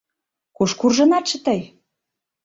Куш куржынатше тый?